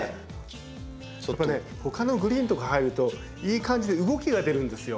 やっぱねほかのグリーンとか入るといい感じで動きが出るんですよ。